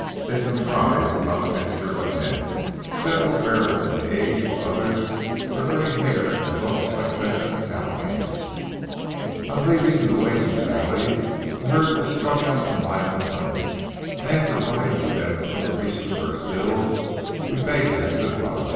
They comprised an odd mixture of men, several barely my age, while others were gray haired and looked like veteran cow hands. On leaving the Nueces valley, the herd was strung out a mile in length, and after riding with them until they reached the first hills, we bade them good by.